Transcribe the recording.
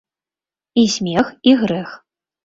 І смех, і грэх.